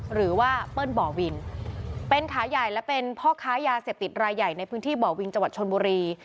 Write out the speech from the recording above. หรือว่าเปิ้ลบ่อวินเป็นขาใหญ่และเป็นพ่อค้ายาเสพติดรายใหญ่ในพื้นที่บ่อวิงจังหวัดชนบุรี